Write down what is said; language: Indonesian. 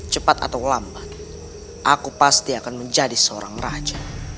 cepat atau lambat aku pasti akan menjadi seorang raja